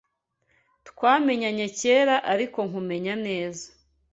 Twamenyanye kera ariko nkumenya neza